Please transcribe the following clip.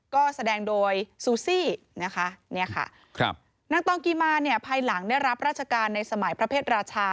ก็แสดงโดยซูซี่นางตองกีมาภายหลังได้รับราชการในสมัยพระเภทราชา